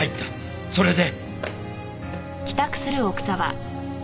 それで。